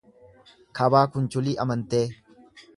Kabaa Kunchulii Amantee